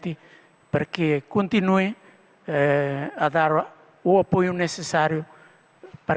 agar mereka terus memberikan dukungan yang diperlukan